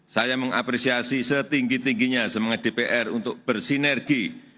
saya mengapresiasi setinggi tingginya semangat dpr untuk bersinergi